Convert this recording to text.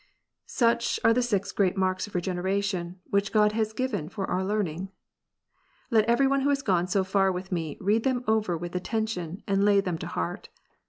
Such are the six great marks of Regeneration, which God has given for our learning. Let every one who has gone so far with me, read them over with attention, and lay them to heart.